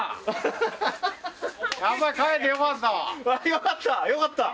よかった！よかった！